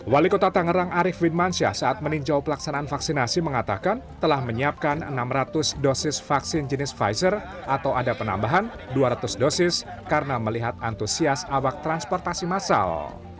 wali kota tangerang arief win mansyah saat meninjau pelaksanaan vaksinasi mengatakan telah menyiapkan enam ratus dosis vaksin jenis pfizer atau ada penambahan dua ratus dosis karena melihat antusias awak transportasi massal